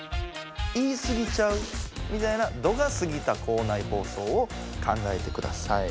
言いすぎちゃう？みたいな度がすぎた校内放送を考えてください。